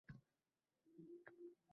Xotini tashlab ketdi.